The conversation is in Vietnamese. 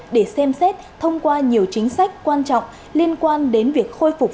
để xem xét thông qua nhiều chính sách quan trọng liên quan đến việc khôi phục